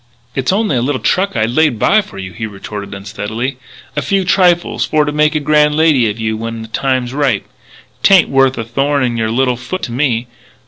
"It's only a little truck I'd laid by for you," he retorted unsteadily, " a few trifles for to make a grand lady of you when the time's ripe. 'Tain't worth a thorn in your little foot to me....